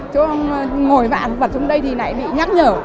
chỗ ngồi vạn vật trong đây thì bị nhắc nhở